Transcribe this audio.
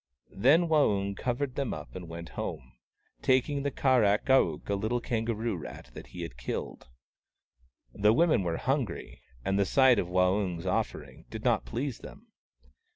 Then Waung covered them up and went home, taking the Kar ak ar ook a little kangaroo rat that he had killed. The women were hungry, and the sight of Waung's offering did not please them.